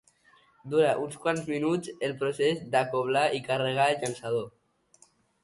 Dura uns quants minuts el procés d'acoblar i carregar el llançador.